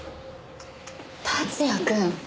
竜也くん。